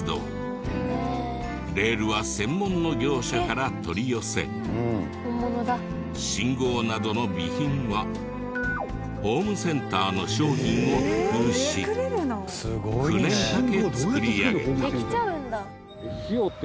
レールは専門の業者から取り寄せ信号などの備品はホームセンターの商品を工夫し９年かけ作り上げた。